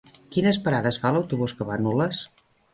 Quines parades fa l'autobús que va a Nules?